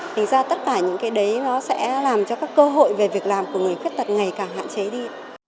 thành ra tất cả những cái đấy nó sẽ làm cho các cơ hội về việc làm của người khuyết tật ngày càng hạn chế đi